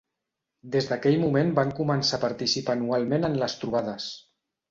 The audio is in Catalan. Des d'aquell moment van començar a participar anualment en les trobades.